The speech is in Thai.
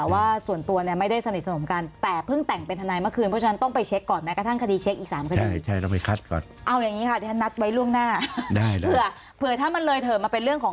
ค่าจะได้พบกันอีกครั้งได้ให้ดรสุรพนธ์ได้หาข้อมูลก่อน